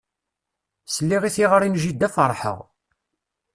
Sliɣ i teɣri n jidda ferḥeɣ.